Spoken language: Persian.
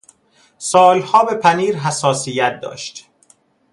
سالها به پنیر حساسیت داشت.